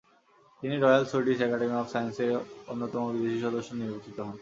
তিনি Royal Swedish Academy of সায়েন্সেস-এর অন্যতম বিদেশী সদস্য নির্বাচিত হন।